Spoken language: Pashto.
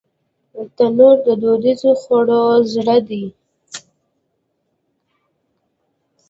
تنور د دودیزو خوړو زړه دی